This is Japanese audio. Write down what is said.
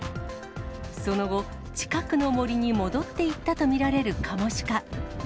その後、近くの森に戻っていったと見られるカモシカ。